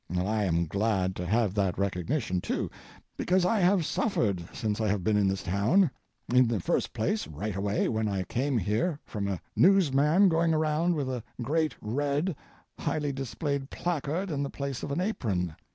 I am glad to have that recognition, too, because I have suffered since I have been in this town; in the first place, right away, when I came here, from a newsman going around with a great red, highly displayed placard in the place of an apron.